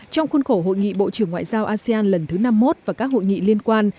trong khuôn khổ hội nghị bộ trưởng ngoại giao asean lần thứ năm mươi một và các hội nghị liên quan